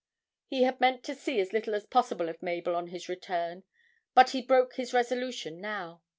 He had meant to see as little as possible of Mabel on his return, but he broke this resolution now.